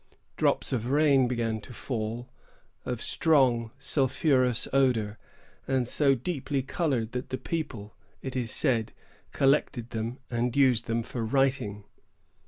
Drops of rain began to fall, of strong, sulphurous odor, and so deeply colored that the people, it is said, collected them and used them for writing.